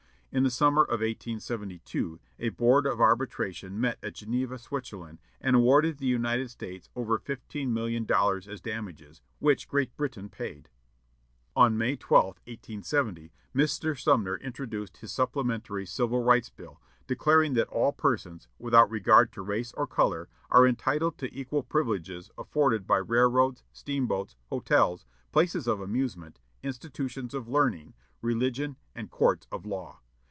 In the summer of 1872, a board of arbitration met at Geneva, Switzerland, and awarded the United States over fifteen million dollars as damages, which Great Britain paid. On May 12, 1870, Mr. Sumner introduced his supplementary Civil Rights Bill, declaring that all persons, without regard to race or color, are entitled to equal privileges afforded by railroads, steamboats, hotels, places of amusement, institutions of learning, religion, and courts of law.